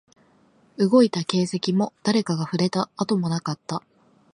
動いた形跡も、誰かが触れた跡もなかった